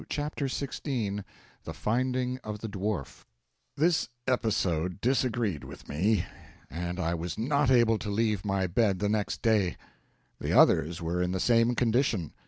Chapter 16 The Finding of the Dwarf THIS EPISODE disagreed with me and I was not able to leave my bed the next day. The others were in the same condition.